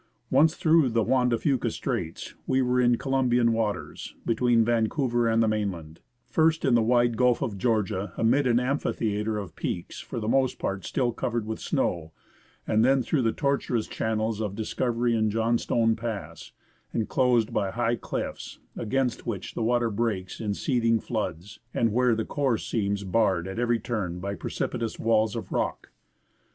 Once through the Juan de Fuca Straits, we were in Columbian waters, between Vancouver and the mainland, first in the wide Guh of Georgia, amid an amphitheatre of peaks, for the most part still covered with snow, and then through the tortuous channels of Dis covery and Johnstone Pass, enclosed by high cliffs, against which the water breaks in seething floods, and where the course seems barred at every turn by precipitous walls of rock.